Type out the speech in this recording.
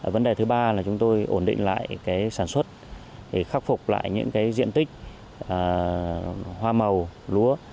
vấn đề thứ ba là chúng tôi ổn định lại sản xuất khắc phục lại những diện tích hoa màu lúa